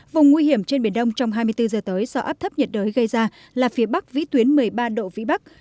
vùng nguy hiểm trên biển đông trong hai mươi bốn giờ tới do áp thấp nhiệt đới gây ra là phía bắc vĩ tuyến một mươi ba độ vĩ bắc